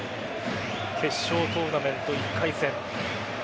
決勝トーナメント１回戦。